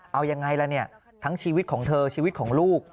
เอายังไงล่ะเนี่ยทั้งชีวิตของเธอชีวิตของลูก